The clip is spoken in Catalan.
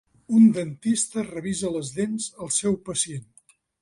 Un dentista revisa les dents al seu pacient